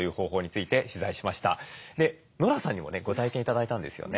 ノラさんにもねご体験頂いたんですよね。